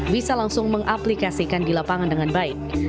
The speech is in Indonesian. bisa langsung mengaplikasikan di lapangan dengan baik